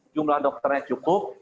jumlah dokternya cukup